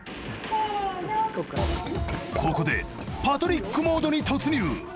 ここでパトリックモードに突入。